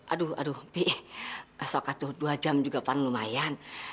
aduh pi besok tuh dua jam juga paling lumayan